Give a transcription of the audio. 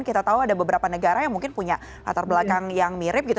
kita tahu ada beberapa negara yang mungkin punya latar belakang yang mirip gitu